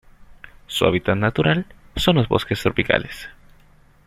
Su hábitat natural son los bosques tropicales.